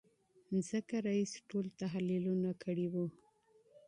ځکه رییس ټول تحلیلونه کړي وو.